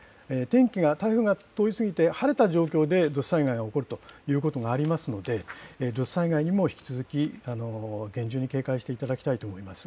天気が、台風が通り過ぎて晴れた状況で、土砂災害が起こるということがありますので、土砂災害にも引き続き厳重に警戒していただきたいと思います。